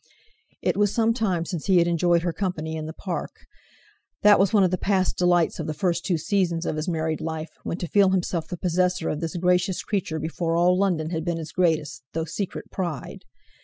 It was some time since he had enjoyed her company in the Park. That was one of the past delights of the first two seasons of his married life, when to feel himself the possessor of this gracious creature before all London had been his greatest, though secret, pride.